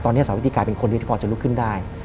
ตอนนี้สาวิติกลายเป็นคนเดียวที่พอจะลุกขึ้นได้